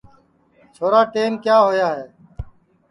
چھورا ٹیم کیا ہوا ہے